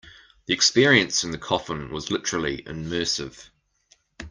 The experience in the coffin was literally immersive.